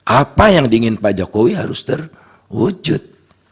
apa yang diingin pak jokowi harus terwujud